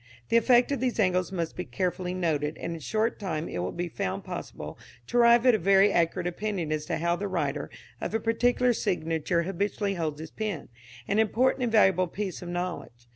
The effect of these angles must be carefully noted, and in a short time it will be found possible to arrive at a very accurate opinion as to how the writer of a particular signature habitually holds his pen an important and valuable piece of knowledge.